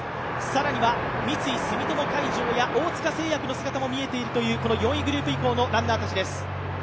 更には三井住友海上や大塚製薬の姿も見えているという４位グループ以降のランナーたちです。